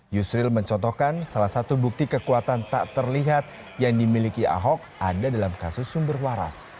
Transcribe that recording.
yusril mencontohkan salah satu bukti kekuatan tak terlihat yang dimiliki ahok ada dalam kasus sumber waras